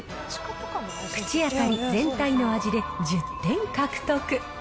口当たり、全体の味で１０点獲得。